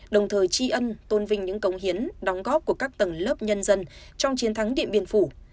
đồng thời tri ân tôn vinh những công hiến đóng góp của các tầng lớp nhân dân trong chiến thắng điện biên phủ